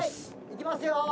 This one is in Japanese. いきますよ。